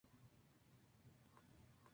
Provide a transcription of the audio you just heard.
Iván Santana es el último parado de España.